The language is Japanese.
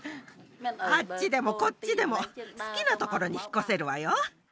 あっちでもこっちでも好きなところに引っ越せるわよ